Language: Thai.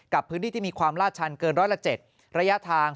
กับพื้นที่ที่มีความลาดชันเกินร้อยละ๗ระยะทาง